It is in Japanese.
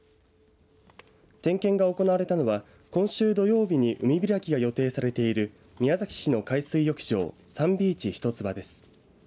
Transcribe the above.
点検が行われたのは今週土曜日に海開きが予定されている宮崎市の海水浴場サンビーチ一ツ葉です。